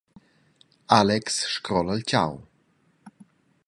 Alex scrola il tgau.